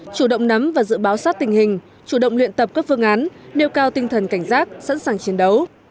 chủ động nắm và dự báo sát tình hình chủ động luyện tập các phương án nêu cao tinh thần cảnh giác sẵn sàng chiến đấu